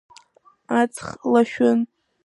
Аҵх лашәын.